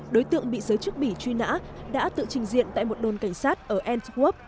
đối tượng bị giới chức bỉ truy nã đã tự trình diện tại một đồn cảnh sát ở antwork